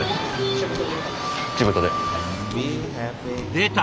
出た！